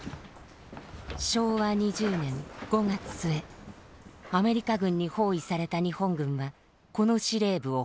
昭和２０年５月末アメリカ軍に包囲された日本軍はこの司令部を放棄。